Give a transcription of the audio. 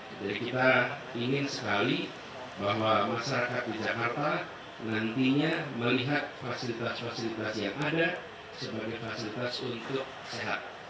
jadi kita ingin sekali bahwa masyarakat di jakarta nantinya melihat fasilitas fasilitas yang ada sebagai fasilitas untuk sehat